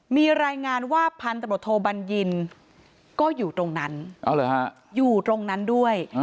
มีรายงานว่าพันธบทโทบัญญินก็อยู่ตรงนั้นอยู่ตรงนั้นด้วย